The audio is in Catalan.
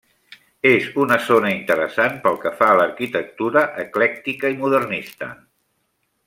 És una zona interessant pel que fa a l'arquitectura eclèctica i modernista.